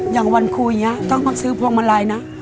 อย่างวันคุยเนี่ยต้องมาซื้อพร้อมมาลัยนะ